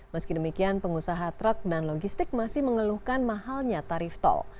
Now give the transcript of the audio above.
meski demikian pengusaha truk dan logistik masih mengeluhkan mahalnya tarif tol